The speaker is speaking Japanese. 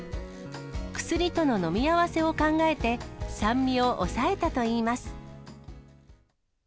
薬との飲み合わせを考えて、酸味を抑えたといいます。